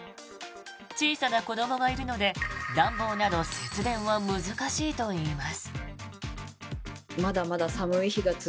小さな子どもがいるので暖房など節電は難しいといいます。